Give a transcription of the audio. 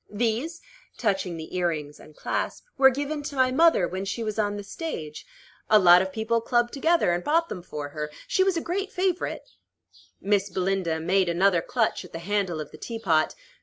These," touching the ear rings and clasp, "were given to my mother when she was on the stage. A lot of people clubbed together, and bought them for her. She was a great favorite." Miss Belinda made another clutch at the handle of the teapot.